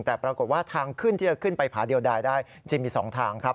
แต่ปรากฏว่าทางขึ้นที่จะขึ้นไปผาเดียวดายได้จึงมี๒ทางครับ